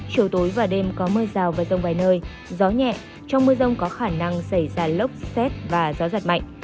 chiều tối và đêm có mưa rào và rông vài nơi gió nhẹ trong mưa rông có khả năng xảy ra lốc xét và gió giật mạnh